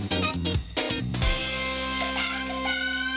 เดี๋ยวกลับมา